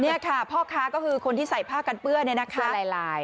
นี่ค่ะพ่อค้าก็คือคนที่ใส่ผ้ากันเปื้อนเนี่ยนะคะลาย